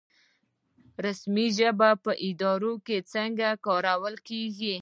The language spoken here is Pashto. رسمي ژبې په اداره کې څنګه کارول کیږي؟